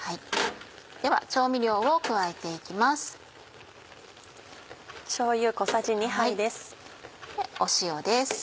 では調味料を加えて行きます。